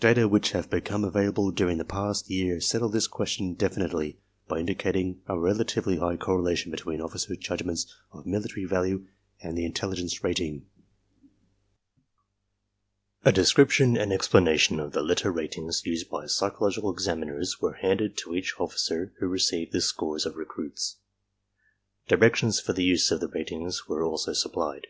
Data which have become available during the past yeaj' settle this question definitely by indicating a rela tively high correlation between officers* judgments of military value and the intelligence rating. A description and explanation of the letter ratings used by psychological examiners were handed to each officer who received the scores of recruits. Directions for the use of the ratings were also supplied.